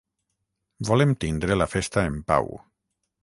Volem tindre la festa en pau.